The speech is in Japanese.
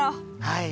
はい。